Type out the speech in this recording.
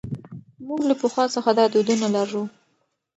موږ له پخوا څخه دا دودونه لرو.